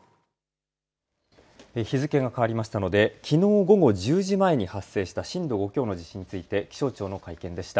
日付が変わりましたのできのう午後１０時前に発生した震度５強の地震について気象庁の会見でした。